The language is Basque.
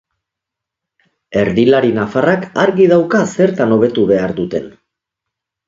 Erdilari nafarrak argi dauka zertan hobetu behar duten.